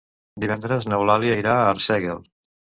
Divendres n'Eulàlia irà a Arsèguel.